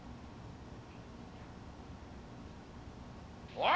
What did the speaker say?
「おい！